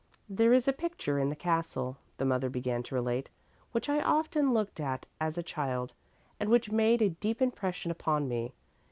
"There is a picture in the castle," the mother began to relate, "which I often looked at as a child and which made a deep impression upon me.